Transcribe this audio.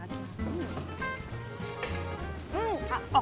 うん！